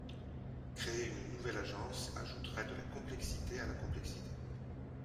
Créer une nouvelle agence ajouterait de la complexité à la complexité.